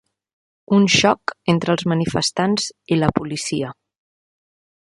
Un xoc entre els manifestants i la policia.